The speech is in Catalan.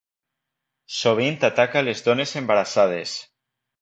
Sovint ataca a les dones embarassades.